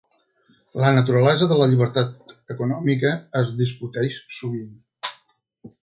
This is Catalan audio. La naturalesa de la llibertat econòmica es discuteix sovint.